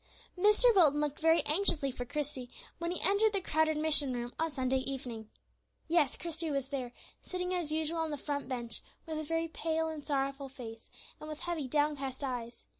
Mr. Wilton looked anxiously for Christie, when he entered the crowded mission room on Sunday evening. Yes, Christie was there, sitting as usual on the front bench, with a very pale and sorrowful face, and with heavy downcast eyes.